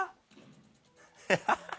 ハハハッ！